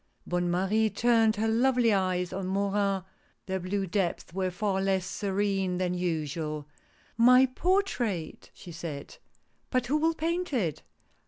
Bonne Marie turned her lovely eyes on Morin ; their blue depths were far less serene than usual. " My portrait ?" she said. " But who will paint it